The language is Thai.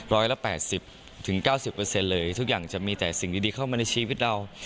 ร้อยละ๘๐๙๐เลยทุกอย่างจะมีแต่สิ่งดีเข้ามาในชีวิตเรา